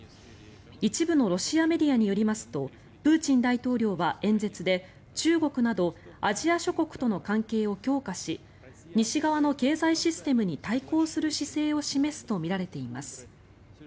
一部のロシアメディアによりますとプーチン大統領は演説で中国などアジア諸国との関係を強化し西側の経済システムに対抗する姿勢を示すとみられています。